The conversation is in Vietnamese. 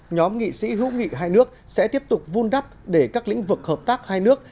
nhóm nghị sĩ hữu nghị hai nước sẽ tiếp tục vun đắp để các lĩnh vực hợp tác hai nước